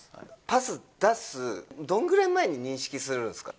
パス出す、どんぐらい前に認識するんですか？